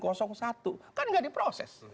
kan nggak diproses